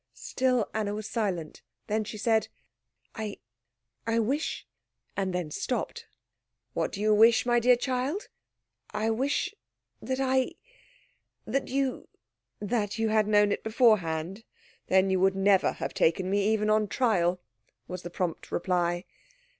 Still Anna was silent. Then she said "I I wish " and then stopped. "What do you wish, my dear child?" "I wish that I that you " "That you had known it beforehand? Then you would never have taken me, even on trial," was the prompt reply.